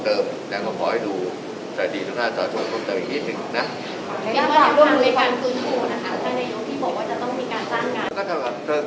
ในโยคที่บอกว่าต้องการจ้างงาน